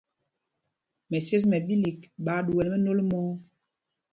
Mɛsyes mɛ ɓīlīk ɓaa ɗuɛl mɛnôl mɔ̄ɔ̄.